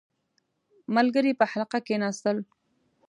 • ملګري په حلقه کښېناستل.